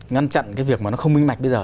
ngăn chặn cái việc mà nó không minh mạch bây giờ